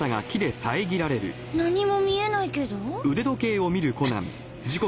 何も見えないけど？